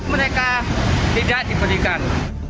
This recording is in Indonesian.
mereka tidak diberikan